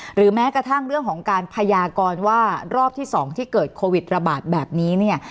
หรือแม้กระทั่งเรื่องของการพยากรว่ารอบที่๒ที่เกิดโควิดระบาดแบบนี้เนี่ย